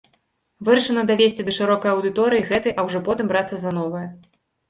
Вырашана давесці да шырокай аўдыторыі гэты, а ўжо потым брацца за новае.